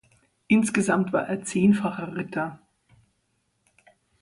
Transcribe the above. Insgesamt war er zehnfacher Ritter.